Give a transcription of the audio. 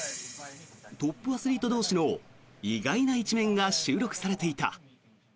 トップアスリート同士の意外な一面が収録されていた。